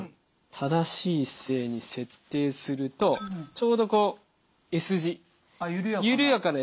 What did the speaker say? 正しい姿勢に設定するとちょうどこうＳ字緩やかな。